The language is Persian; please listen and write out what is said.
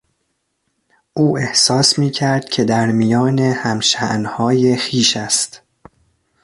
او احساس میکرد که در میان همشانهای خویش است.